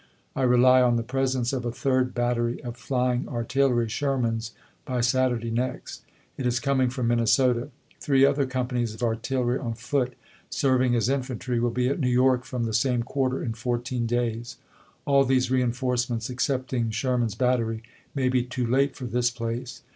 I rely on the presence of a third battery of flying artillery (Sherman's) by Saturday next. It is com ing from Minnesota. Three other companies of artillery on foot, serving as infantry, will be at New York, from the same quarter, in fourteen days. All these reenforce ments, excepting Sherman's battery, may be too late for this place.